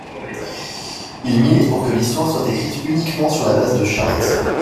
Il milite pour que l'histoire soit écrite uniquement sur la base de chartes.